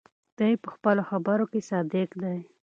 دی په خپلو خبرو کې صادق دی.